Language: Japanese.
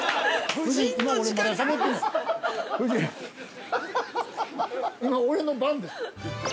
夫人、今、俺の番です。